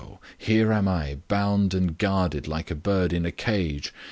cried Chou, " here am I bound and guarded, like a bird in a cage.